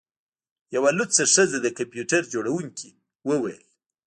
یوه لوڅه ښځه د کمپیوټر جوړونکي وویل